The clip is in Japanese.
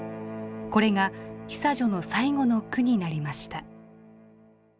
これが久女の最後の句になりました。